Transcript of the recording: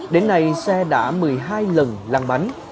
đến nay xe đã một mươi hai lần lăng bánh